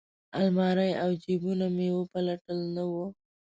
المارۍ او جیبونه مې وپلټل نه وه.